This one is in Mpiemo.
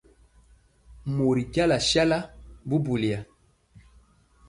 Mori jala sala bubuliya.